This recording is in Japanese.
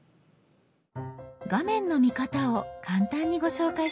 画面の見方を簡単にご紹介しましょう。